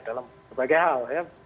dalam berbagai hal ya